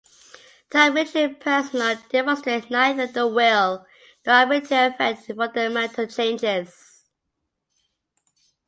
Top military personnel demonstrate neither the will nor the ability to effect fundamental changes.